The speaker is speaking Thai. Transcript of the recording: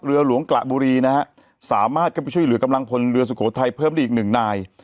เรือหลวงกระบุรีนะฮะสามารถเข้าไปช่วยเหลือกำลังพลเรือสุโขทัยเพิ่มได้อีกหนึ่งนาย